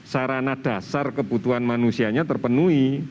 sarana dasar kebutuhan manusianya terpenuhi